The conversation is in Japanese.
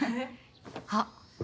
あっ